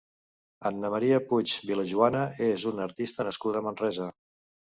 Anna Maria Puig Vilajuana és una artista nascuda a Manresa.